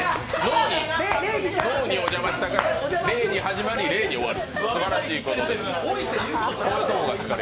脳にお邪魔したから礼に始まり礼に終わる。